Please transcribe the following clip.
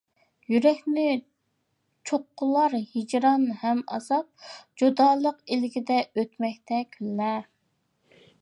يۈرەكنى چوققىلار ھىجران ھەم ئازاب، جۇدالىق ئىلكىدە ئۆتمەكتە كۈنلەر.